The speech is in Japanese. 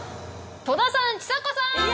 戸田さんちさ子さん！